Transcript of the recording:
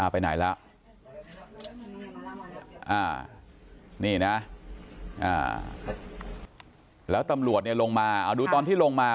ไปไหนแล้วนี่นะแล้วตำรวจเนี่ยลงมาเอาดูตอนที่ลงมา